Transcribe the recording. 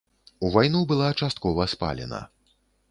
У вайну была часткова спалена.